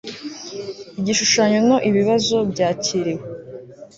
Igishushanyo no Ibibazo byakiriwe